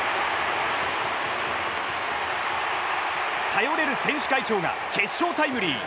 頼れる選手会長が決勝タイムリー。